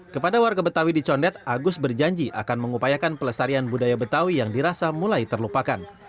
kepada warga betawi di condet agus berjanji akan mengupayakan pelestarian budaya betawi yang dirasa mulai terlupakan